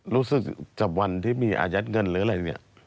รู้สึกกับวันที่มีอายัดเงินหรืออะไรเนี่ย